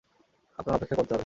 আপনার অপেক্ষা করতে হবে।